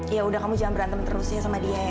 yaudah kamu jangan berantem terus ya sama dia ya